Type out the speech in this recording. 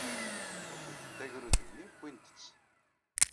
Refdent agrud-nni, wwint-t.